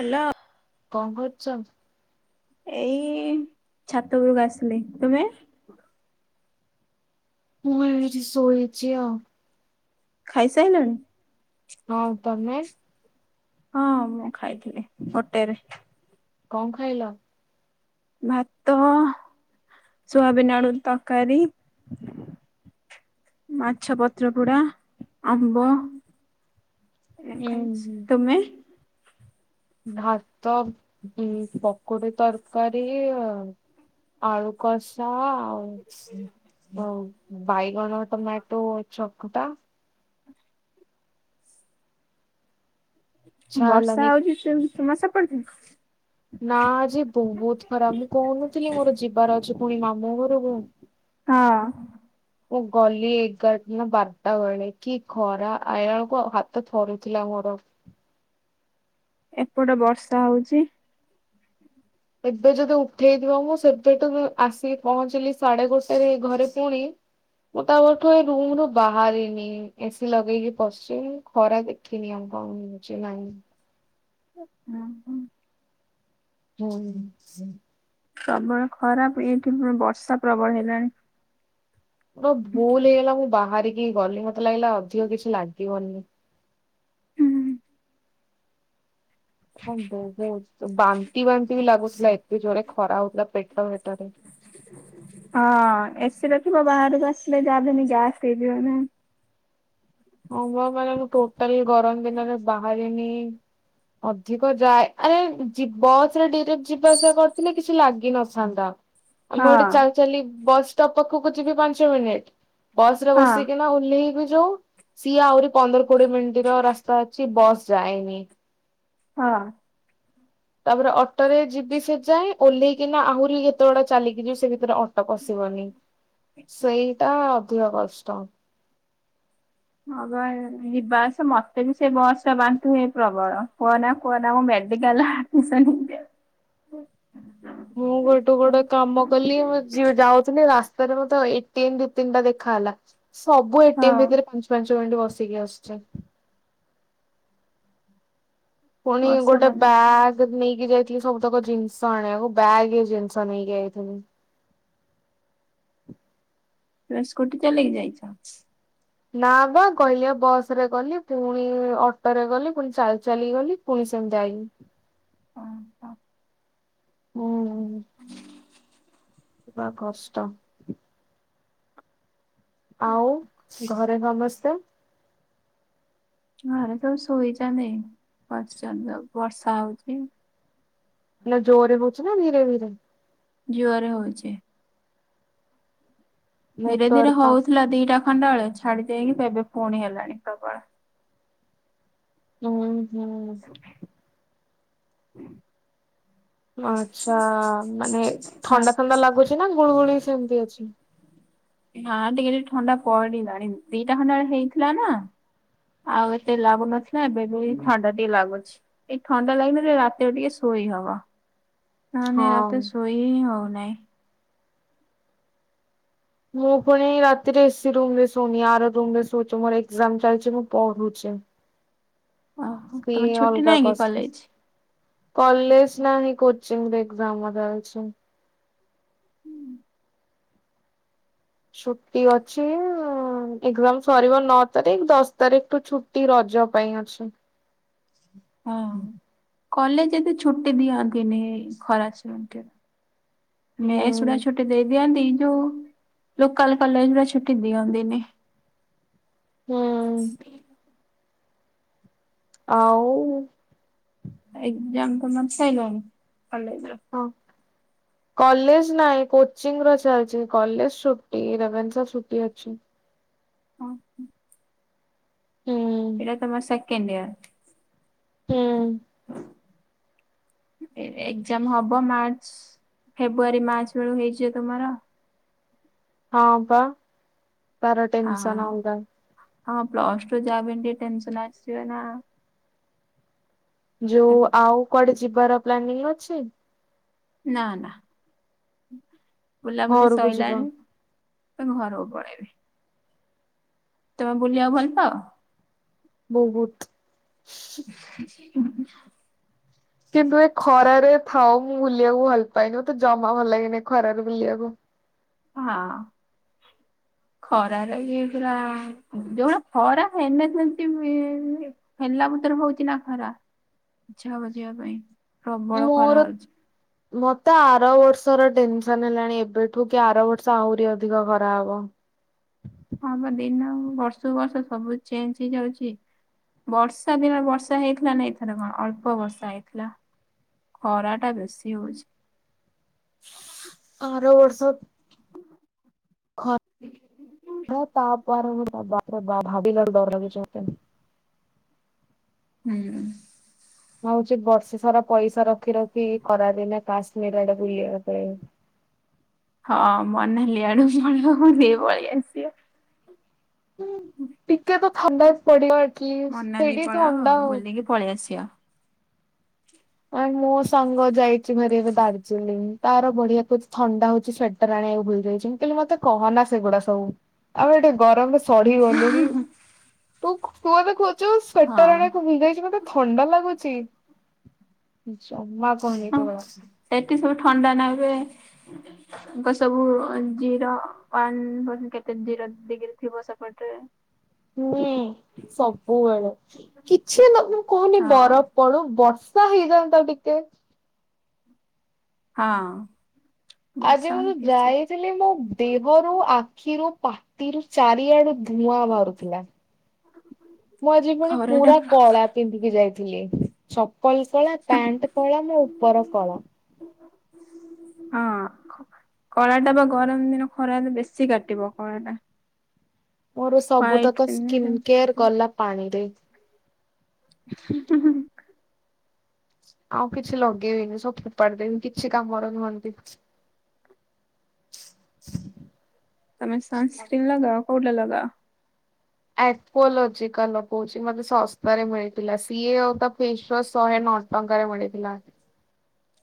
Hello? କଣ କରୁଛ? ଏଇ ଛାତ ଉପୁରକୁ ଆସିଲି। ତୁମେ? ମୁଁ ଏଇଠି ଶୋଇଛି ଆଉ। ଖାଇ ସାଇଲଣି? ହଁ। ତମେ? ହଁ, ମୁଁ ଖାଇଥିଲି ଗୋଟେରେ। କଣ ଖାଇଲ? ଭାତ, ସୋୟାବିନ ଆଳୁ ତକାରୀ ମାଛ ପତ୍ର ପୋଡା, ଆମ୍ବ ୟାକୁ ଉଁ ଖାଇଛି। ହୁଁ ତୁମେ? ଭାତ, ପକୁଡ଼ି ତରକାରୀ ଆଳୁ କଷା ଆଉ ଆଉ ବାଇଗଣ, ଟମାଟୋ ଚକଟା [inaudible] ଇଚ୍ଛା ବର୍ଷା ହେଲାନି ହଉଛି ସେମତି ତମର ସେପଟେ? ନା ଆଜି ବହୁତ ଖରା। ମୁଁ କହୁନଥିଲି ମୋର ଯିବାର ଅଛି ପୁଣି ମାମୁଁ ଘରକୁ। ହଁ। ମୁଁ ଗଲି ଏଗାର ନା ବାରଟା ବେଳେ କି ଖରା। ଆଇଲା ବେଳକୁ ହାତ ଥରୁ ଥିଲା ମୋର। ଏପଟ ବର୍ଷା ହଉଛି। ଏବେ ଯଦି ଉଠେଇଥିବ। ମୁଁ ସେବେଠୁ ଆସିକି ପହଞ୍ଚିଲି ସାଢେ ଗୋଟଟାରେ ଘରେ ପୁଣି ମୁଁ ତା ପରଠୁ ଏଇ ରୁମ ରୁ ବାହାରିନି। ଏସି ଲଗେଇକି ପଶଛି। ମୁଁ ଖରା ଦେଖିନି ଆଉ କଣ ହଉଛି ନାଇଁ। ହୁଁ ହୁଁ। ହୁଁ ହୁଁ। ପ୍ରବଳ ଖରା‌ ଏଇଠି ବର୍ଷା ପ୍ରବଳ ହେଲାଣି। ମୋର ଭୁଲ ହେଇଗଲା ମୁଁ ବାହାରିକି ଗଲି। ସମତେ ଲାଗିଲା ଅଧିକ କିଛି ଲାଗିବନି। ହଁ ହଁ ବହୁତ୍ ବାନ୍ତି ବାନ୍ତି ବି ଲାଗୁଥିଲା ଏତେ ଜୋରେ ଖରା ହଉଥିଲା ପେଟ ଭିତରେ। ହଁ, ଏସିରେ ଥିବ ବାହାରକୁ ଆସିଲେ ଯାହାବି ହେଲେ ଗ୍ୟାସ୍ ହେଇଯିବ ନା। ହଁ ପା ମାନେ ମୁଁ ଟୋଟାଲି ଗରମ ଦିନରେ ବାହାରିନି। ଅଧିକ ଯାଏ। ଆରେ ବସରେ ଡିରେକ୍ଟ୍ ଯିବା ଆସିବା କରିଥିଲେ କିଛି ଲାଗିିନଥାନ୍ତା ଆ ମୁଁ ଗୋଟେ ହଁ ଚାଲି ଚାଲି ବସ୍ଷ୍ଟପ୍ ପାଖକୁ ଯିବି ପାଞ୍ଚ ମିନିଟ୍। ବସ ରେ ହଁ ବସିକି ଓଲ୍ହେଇକି ଯୋଉ ସିଏ ଆହୁରି ପନ୍ଦର କୋଡିଏ ମିନିଟ ର ରାସ୍ତା ଅଛି ବସ୍ ଯାଏନି। ହଁ ତାପରେ ଅଟୋରେ ଯିବି ସେ ଯାଁ ଓହ୍ଲେଇକି ଆହୁରି କେତେବେଡା ଚାଲିକି ଯିବି ସେ ଭିତରେ ଅଟୋ ପଶିବନି ସେଇଟା ଅଧିକ କଷ୍ଟ। ହଁ ବା ଯିବାସ ମତେ ବି ସେ ବସ ବାନ୍ତି ହୁଏ ପ୍ରବଳ କୁହନ କନା ମୁଁ ବେଡିିକାଲା ଆଡିମସନ ମୁଁ ଗୋଟେ ଗୋଟେ କାମ କଲି ମୁଁ ଯ ଯାଉିଥଲି ରା ରେ ମ ଏଟିଏମ ଦି ତିନିଟା ଦେଖା ହେଲା। ସବୁ ହଁ ଏଟିଏମ ଭିତରେ ପାଞ୍ଚ ପାଞ୍ଚ [unintelligible] ବସିକି ଆସିଛି। ପୁଣି ବର୍ଷ ଗୋଟେ ମାନେ ବା ତୁମେ ନେଇକି ଯାଇଥିଲି ସବୁତକ ଜିନିଷ ଆଣିବାକୁ। ବ୍ୟାଗ ଜିନିଷ ନେଇକି ଯାଇଥିଲି। ପୁରା ସ୍କୁଟି ଚଲେଇକି ଯାଇଛ? ନା ବା କହିଲି ବସ ରେ ଗଲି ପୁଣି ଅଟୋ ରେ ଗଲି ପୁଣି ଚାଲି ଚାଲିି ଗଲି। ପୁନି ସେମିତି ଆଏଲି। ହୁଁ। କଷ୍ଟ ଆଉ ଘରେ ସମସ୍ତେ? ଘରେ ସବୁ ଶୋଇଛନ୍ତି ବସିଛନ୍ତି ବର୍ଷା ହଉଛି। ପରେ ଜୋରରେ ହଉଚି ନା ଧୀରେ ଧୀରେ। ଜୋରେ ହଉଛି ଧୀରେ ଧୀରେ ନେଟୱାର୍କ ପାଉନି। ହଉଥିଲା ଦିଟା ଖଣ୍ଡା ବେଳେ ଛାଡି ଦେଇାଇକି ଏବେ ପୁଣି ହେଲାଣି ପ୍ରବଳ। ହୁଁ ହୁଁ ଆଚ୍ଛା ମାନେ ହଁ ଥଣ୍ଡା ଥଣ୍ଡା ଲାଗୁଛି ନା ଗୁଳୁଗୁଳି ସେମିତି ଅଛି। ହଁ ଟିକେ ଟିକେ ଥଣ୍ଡା ପଡିଲାଣି ଦିଟା ଖଣ୍ଡା ବେଳେ ହେଇଥିଲା ନା। ଆଉ ଏତେ ଲାଗୁନଥିଲା ଏବେ ବି ଥଣ୍ଡା ଟିକେ ଲାଗୁଛି। ଏଇ ଥଣ୍ଡା ଲାଜିଲେ ରେ ରାତିରେ ଟିକେ ଶୋଇ ହବ। ନ ନାଇଁ ହଁ। ରାତିରେ ଶୋଇ ହିଁ ହଉନାହିଁ। ମୁଁ ପୁଣି ରାତିରେ ଏସି ରୂମରେ ଶୋଉନି ଆର ର ରେ ଶଛି ମୋର ଏକଜାମ ଚାଲିଛି ମୁଁ ପଢୁଚି। ଓହୋ ସେ ତମର ଛୁଟି ଅଲଗା ନାହିଁ କି କସ୍। କଲେଜ? କଲେଜ ନାହଁ କଚିଂ ଏକ୍ଜାମ୍ ଆମର ଆଛାଛି। [unintelligible] ଛୁଟି ଅଛି ଆଉ ଏକ୍ଜାମ୍ ସରିବ ନଅ ତାରିଖ ଦଶ ତାରିଖଠୁ ଛୁଟି ରଜ ପାଇଁ ଅଛି। ହଁ କଲେଜ ଏମତି ଛୁଟି ଦିଅନ୍ତିନି ଖରା ଛୁଟି। ହୁଁ ମେସ୍ ଓରା ଛୁଟି ଦେଇ ଦିଅନ୍ତି ଏଯେଉଁ ଲୋକାଲ୍ କଲେଜ୍ ରେ ଛୁଟି ଦିଅନ୍ତି। ହୁଁ ଆଉ ଏକ୍ଜାମ ତମର ସଇଲାଣି କଲେଜ୍ ରେ? ହଁ କଲେଜ ନାଇଁ କୋଚିଂ ର ଚାଲିଚି କଲେଜ ଛୁଟି ରେଭେନ୍ଶା ଛୁଟି ଅଛି। ଅ ହଁ ହୁଁ ଏଇଟା ତମର ସେକେଣ୍ଡ ଇୟର? ହୁଁ ଏ ଏକ୍ଜାମ ହବ ମାର୍ଚ୍ଚ ଫେବୃଆରୀ ମାର୍ଚ୍ଚ ବେଳୁ ହେଇଯିବ ତୋମର? ହଁ ପା ତାର ଟେନସନ୍ ହଁ। ଆଲଗା। ହଁ ପ୍ଲସ୍ ଟୁ ଯାହାବି ହେନେ ଟିକେ ଟେନସନ୍ ଆସିବ ନା। ଯୋଉ ଆଉ କୁଆଡେ ଯିବାର ପ୍ଲାନିଂ ଅଛି? ନା ନା ବୁଲାବୁଲି ଘରକୁ ଯିବା ସଇଲାଣି। ଏ ମୁଁ ଘରକୁ ପଳେଇବି। ତୋମେ ବୁଲିବା ଭଲ ପାଅ? ବହୁତ। [inaudible] କିନ୍ତୁ ଏ ଖରାରେ ଥାଉ ମୁଁ ବୁଲିବାକୁ ଭଲ ପାଏନି ମୋତେ ଜମା ଭଲ ଲାଗେନି ଏ ଖରାରେ ବୁଲିବାକୁ। ହଁ। ଖରା ରେ ଇଏ ପୁରା ଯୋଉ ଭଳିଆ ଖରା ହେନେ ସେମତି ହୁଏ [unintelligible] ହେଲା ଭିତର ହଉଚି ନା ଖରା, ଇଛା ହବ ଯିବା ପାଇଁ, ପ୍ରବଳ ଖରା ହଉଛି। ମୋତେ ଆର ବର୍ଷର ଟେନସନ୍ ହେଲାଣି ଏବେଠୁ କି ଆର ବର୍ଷ ଆହୁରି ଅଧିକ ଖରାହବ। ହଁ ପା ଦିନ ବର୍ଷକୁ ବର୍ଷ ସବୁ ଚେଞ୍ଜ ହେଇଯାଉଛି। ବର୍ଷା ଦିନରେ ବର୍ଷା ହେଇଥିଲା ନା ଏଇଥର କଣ ଅଳ୍ପ ବର୍ଷା ହେଇଥିଲା। ଖରାଟା ବେଶୀ ହଉଛି। ଆର ବର୍ଷ ଖ [unintelligible] ମୋତେ [unintelligible] ହଉଛି ବର୍ଷେ ସାରା ପଇସା ରଖି ରଖି ଖରା ଦିନେ କାଶ୍ମୀର ଆଡେ ବୁଲିବା ପାଇଁ। ହଁ ମନାଲି ଆଡେ ପଳାଅ ବୁଲିକି ପଳି ଆସିବେ। ହୁଁ, ଟିକେ ତ ଥଣ୍ଡା ପଡିବ ଆଟଲିଷ୍ଟ ସେଇଠି ଥଣ୍ଡା ହଉ। ପଳି ଆସିବ। ଆଏ ମୋ ସାଙ୍ଗ ଯାଇଛି ଭାରି ଏବେ ଦାର୍ଜିଲିଂ ତାର ବଢିଆ କହୁଛି ଥଣ୍ଡା ହଉଛି ସା ଟର ଆଣିବାକୁ ଭୁଲଯାଇଛି, ମୁଁ କହିଲି ମୋତେ କହନା ସେଗୁଡା ସବୁ ଆଉ ଏଠି ଗରମ [unintelligible] ସଢି ଗଲୁଣି, ତୁ ମୋର ଖୋଜୁ ସ୍ଵେଟର୍ ହଁ ଆଣିବାକୁ ଭୁଲି ଯାଇଛି ମୋତେ ଥଣ୍ଡା ଲାଗୁଚି। ଜମା କହି ତ ଆସୁନି। ସେଠି ସବୁ ଥଣ୍ଡା ନାଗେ, ତ ସବୁ ଜିରୋ ୱାନ୍ [unintelligible] କେତେ ଜିରୋ ଡିଗ୍ରୀ ଥିବ ସେପଟରେ। ନେ ସବୁବେଳେ କିଛି ନ-ମୁଁ କହୁନି ହଁ ବରଫ ପଡୁ, ବର୍ଷା ହେଇଯାନ୍ତା ଟିକେ। ହଁ। ଆଜି ବର୍ଷା ମୁଁ ମାନେ ଯୋଉ କିଛି ଯାଇଥିଲି ମୋ ଦେହରୁ ଆଖିରୁ ପାଟିରୁ ଚାରିଆଡୁ ନିଆଁ ବାହାରୁଥିଲା, ମୁଁ ଆଜି ପୁଣି ଖରାଟା ପୁରା କଳା ପିନ୍ଧିକି ଯାଇଥିଲି, ଚପଲ କଳା, ପ୍ୟାଣ୍ଟ କଳା ମୋ ଉପର କଳା। ହଁ କଳା ଟା ବା ଗରମ ଦିନ ଖରା ବି ବେଶୀ କାଟିବ କଳା ଟା ମୋର ହ୍ୱାଇଟ ସବୁତକ ସ୍କିନ୍ ପିନ୍ଧି କେୟାର୍ ଗଲା ପାଣିରେ। ହଁ, ହୁଁ। ଆଉ କିଛି ଲଗେଇବିନି, ସବୁ ଫୋପାଡି ଦେବି କିଛି କାମର ନୁହନ୍ତି। ତୋମେ ସନସ୍କ୍ରିନ୍ ଲଗାଅ, କୋଉଟା ଲଗାଅ? ଆକଲୋଜିକା ଲଗଉଛି, ମୋତେ ଶସ୍ତାରେ ମିଳିଥିଲା, ସିଏ ଆଉ ତା ଫେସୱାସ୍ ଶହେ ନ ଟଙ୍କାରେ ମିଳିଥିଲା।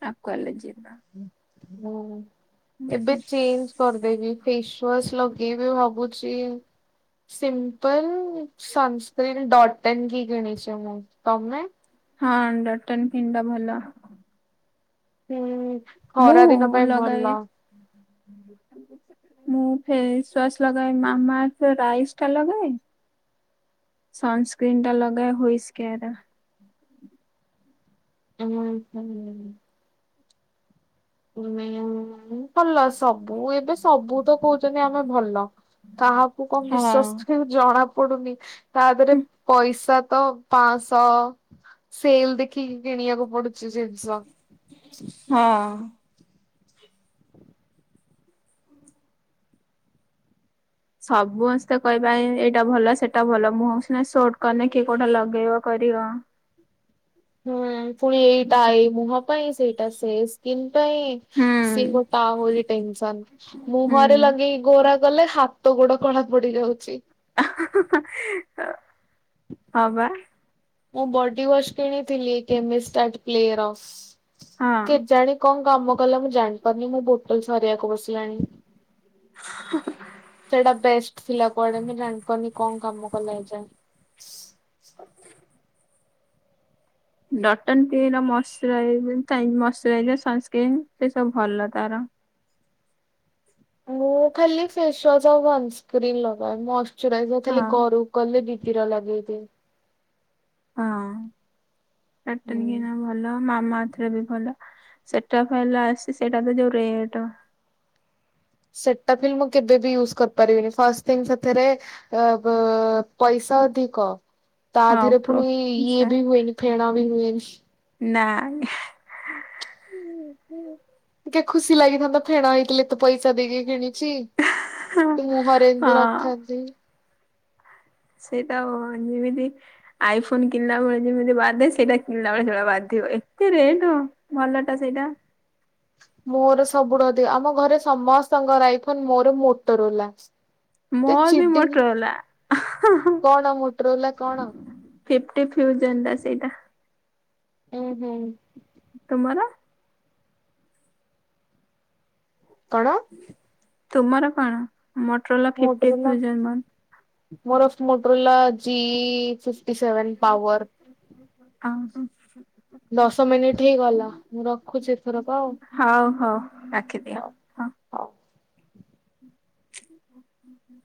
ଆଉ କଲେଜ ଯିବା। ହୁଁ ଏବେ ଚେଞ୍ଜ କରିଦେବି ଫେସ ୱାସ ଲଗେଇବି ଭାବୁଚି ସିମ୍ପଲ ସନସ୍କ୍ରିନ ଡ଼ଟ୍ ଟିଁ କିଣିଛି ମୁଁ ତମେ? ହଁ ଡଟନ କିନ୍ ଟା ଭଲ। ହୁଁ ଖରା ଦିନ ପାଇଁ ଭଲ। ହୁଁ ହୁଁ ହୁଁ ମୁଁ ଫେସ ୱାସ ଲଗାଏ ମାମା ଅର୍ଥ ରାଇସଟା ଲଗାଏ। ସନସ୍କ୍ରିନ୍ ଟା ଲଗାଏ ହୁଇଶ୍ କେୟାରର। ଉ ହୁଁ। ଭଲ ସବୁ ଏବେ ସବୁ ତ କହୁଛନ୍ତି ଆମେ ଭଲ। କାହାକୁ କଣ ହଁ ବିଶ୍ଵାସ ଜଣା ପଡୁନି ତା ଦେହରେ ପଇସା ତ ପାଞ୍ଚଶହ ସେଲ ଦେଖିକି କିଣିବାକୁ ପଡୁଛି ଜିନିଷ। ହଁ। ସବୁସ୍ତେ କହିବା ପାଇଁ ଏଇଟା ଭଲ ସେଟା ଭଲ ମୁଁହକୁ ସିନା ସୁଟ କନେ କିଏ କୋଉଟା ଲଗେଇବ କରିବ। ହୁଁ ପୁଣି ଏଇଟା ଏଇ ମୁହଁ ପାଇଁ ସେଇଟା ସେ ସ୍କିନ୍ ପାଇଁ। ସିଏ ହୁଁ। ଗୋଟା ଆହୁରି ଟେନସନ ମୁଁହରେ ଲଗେଇକି ଗୋରା ଗଲେ ହାତ ଗୋଡ କଳା ପଡି ଯାଉଛି। ହଁ ବା। ମୁଁ ବଡି ୱାଶ କିଣିଥିଲି କେମ ଷ୍ଟାର୍ଟ କିୟର। ହଁ। କେଜାଣି କଣ କାମ କଲା ମୁଁ ଜାଣିପାରୁନି ମୋ ବୋଟଲ ସରିବାକୁ ବସିଲାଣି। ସେଇଟା ବେଷ୍ଟ ଥିଲା କୁଆଡେ ମୁଁ ଜାଣିପାରୁନି କଣ କାମ କଲା ଏ ଯାଏଁ। ଡଟନ କ୍ଲିନ୍ ର ମସରାଇଜର ସନ ସ୍କ୍ରୀନ୍ ସେ ସବୁ ଭଲ ତାର। ମୁଁ ଖାଲି ଫେସୱାସ ଆଉ ସନ ସ୍କ୍ରିନ୍ ଲଗାଏ ମଶ୍ଚରାଇଜର ଖାଲି ହଁ ଘରୁ ଗଲେ ଦିଦିର ଲଗେଇ ଦିଏ। ହଁ ହୁଁ [unintelligible] ଭଲ ମାମା ଅର୍ଥ ଟା ବି ଭଲ ସେଟା ଭଲ ଆସି ସେଇଟା ତ ଯୋଉ ରେଟ। ସେଟା ବି ମୁଁ କେବେ ବି ୟୁଜ କରିପାରିବିନି ଫାଷ୍ଟ ଥିଂ ସେଥିରେ ଅ ବ ପଇସା ଅଧିକ ତା ହଁ ଦେହରେ ପୁଣି ଇଏ ପ୍ରୋସା ବି ହୁଏନି ଫେଣ ବି ହୁଏନି। ନା। ହୁଁ ହୁଁ। ଟିକେ ଖୁସି ଲାଗିଥାନ୍ତା ଫେଣ ହେଇଥିଲେ ଏତେ ପଇସା ଦେଇକି କିଣିଛି। ମୁହଁରେ ହଁ ନଥାନ୍ତି। ସେଇଟା ଅ ଯେମିତି ଆଇ ଫୋନ କିଣିଲା ବେଳେ ଯେମିତି ବାଧେ ସେଇଟା କିଣିଲା ବେଳେ ସେମିତି ବାଧିବ ଏତେ ରେଟ। ଭଲ ଟା ସେଇଟା। ମୋର ସବୁଠୁ ଅଧିକ ଆମ ଘରେ ସମସ୍ତଙ୍କର ଆଇଫୋନ ମୋର ମୋଟରଲା। ମୋ ବି ମୋଟରଲା। କଣ ମୋଟୋରୋଲା କଣ ଫିଫ୍ଟ ଫିଉଜନ୍ ସେଇଟା। ହୁଁ ହୁଁ। ତୁମର? କଣ? ତୁମର କଣ ମଟୋଲା ମୋଟୋରୋଲା [unintelligible] ମୋର Motorola G fifty seven power. ଆ ହଁ। ଦଶ ମିନିଟ୍ ହେଇଗଲା ମୁଁ ରଖୁଛି ଏଥରକ। ହଉ ହଉ ରଖି ହଉ ହଉ। ହ ହ ହୁଁ ହୁଁ